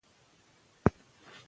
که قاعده ولري، نو تعلیم به دقیق وي.